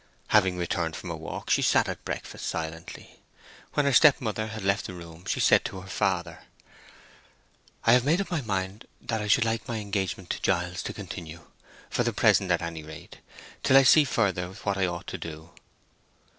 Having returned from her walk she sat at breakfast silently. When her step mother had left the room she said to her father, "I have made up my mind that I should like my engagement to Giles to continue, for the present at any rate, till I can see further what I ought to do."